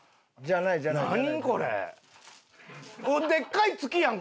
でっかい月やん！